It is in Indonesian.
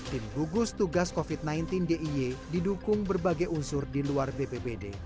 tim gugus tugas covid sembilan belas diy didukung berbagai unsur di luar bpbd